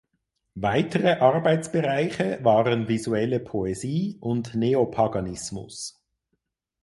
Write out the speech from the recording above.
Weitere Arbeitsbereiche waren visuelle Poesie und Neopaganismus.